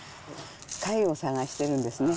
貝を探してるんですね。